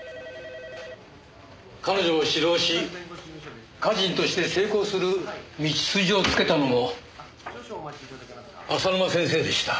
彼女を指導し歌人として成功する道筋をつけたのも浅沼先生でした。